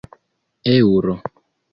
eŭro